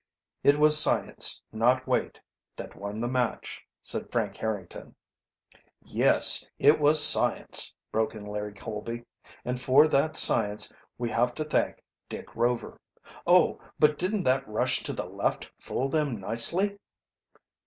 "It was science, not weight, that won the match," said Frank Harrington. "Yes, it was science," broke in Larry Colby. "And for that science we have to thank Dick Rover. Oh, but didn't that rush to the left fool them nicely!"